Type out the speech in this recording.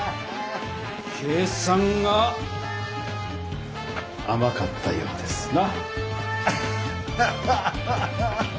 計算があまかったようですな！